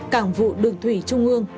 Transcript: cảng vụ đường thủy trung ương